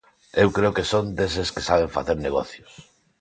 Eu creo que son deses que saben facer negocios.